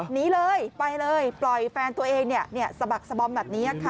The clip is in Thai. หนีเลยไปเลยปล่อยแฟนตัวเองสะบักสะบอมแบบนี้ค่ะ